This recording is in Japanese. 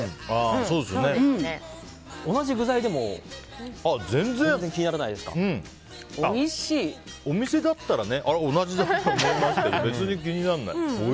同じ具材でもお店だったら同じだってなりますけど別に気にならない。